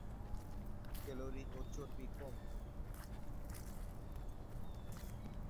Calorie ও চর্বি কম।